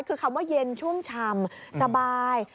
คือคำว่าเย็นชุ่มชำสบาย